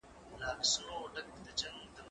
زه اوږده وخت د کتابتون پاکوالی کوم!؟